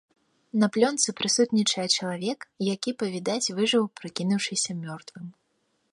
На плёнцы прысутнічае чалавек, які, па-відаць, выжыў, прыкінуўшыся мёртвым.